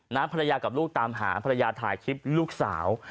ภรรยากับลูกตามหาภรรยาถ่ายคลิปลูกสาว